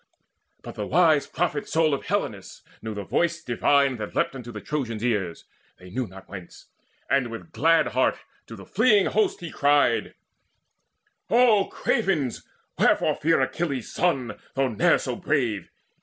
But the wise prophet soul Of Helenus knew the voice divine that leapt Unto the Trojans' ears, they knew not whence, And with glad heart to the fleeing host he cried: "O cravens, wherefore fear Achilles' son, Though ne'er so brave?